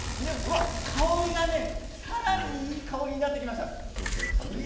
香りが、さらにいい香りになってきました。